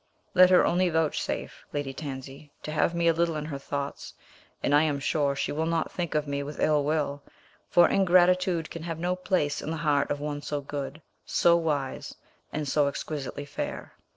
"Let her only vouchsafe, Lady Tansi, to have me a little in her thoughts, and I am sure she will not think of me with ill will; for ingratitude can have no place in the heart of one so good, so wise, and so exquisitely fair."